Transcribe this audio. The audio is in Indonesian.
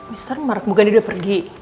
mr mark bukan dia udah pergi